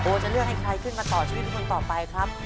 จะเลือกให้ใครขึ้นมาต่อชีวิตเป็นคนต่อไปครับ